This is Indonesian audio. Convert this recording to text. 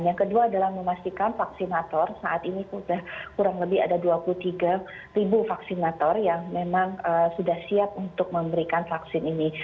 yang kedua adalah memastikan vaksinator saat ini sudah kurang lebih ada dua puluh tiga ribu vaksinator yang memang sudah siap untuk memberikan vaksin ini